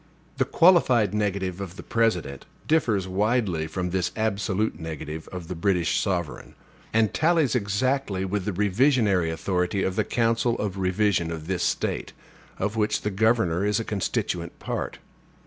The qualified negative of the President differs widely from this absolute negative of the British sovereign; and tallies exactly with the revisionary authority of the council of revision of this State, of which the governor is a constituent part.